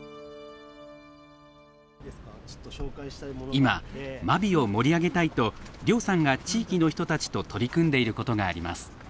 今真備を盛り上げたいと涼さんが地域の人たちと取り組んでいることがあります。